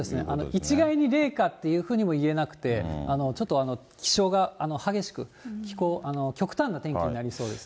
一概に冷夏っていうふうにもいえなくて、ちょっと気象が激しく、極端な天気になりそうです。